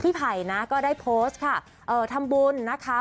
ไผ่นะก็ได้โพสต์ค่ะทำบุญนะคะ